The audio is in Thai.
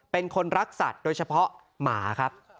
เป็นคนรักสัตว์โดยเฉพาะหมาครับ